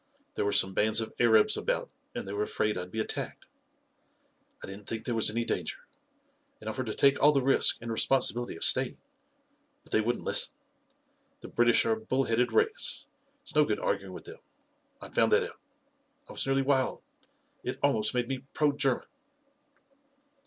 There were some bands of Arabs about, and they were afraid I'd be attacked. I didn't think there was any danger, and offered to take all the risk and responsibility of staying; but they wouldn't listen. The British are a bull headed race — it's no good arguing with them. I found that out. I was nearly wild I It almost made me pro German